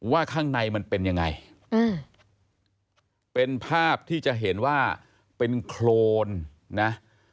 ข้างในมันเป็นยังไงเป็นภาพที่จะเห็นว่าเป็นโครนนะ